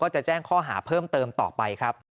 จะแจ้งข้อหาเพิ่มเติมต่อไปครับ